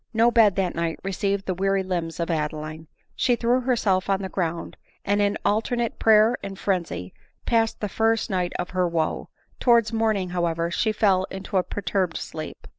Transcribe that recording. No bed that night received the weary limbs of Adeline. She threw herself on the ground, and in alternate prayer and frenzy passed the first night of her wo ; towards morning, however, she fell into a per turbed sleep.